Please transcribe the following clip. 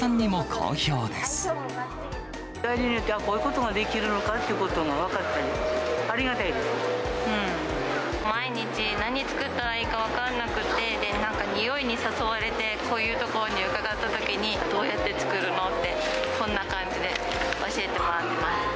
料理によっては、こういうことができるのかっていうのが分かったり、ありがたいで毎日何作ったらいいか分かんなくて、なんか匂いに誘われて、こういう所に伺ったときに、どうやって作るの？って、こんな感じで教えてもらってます。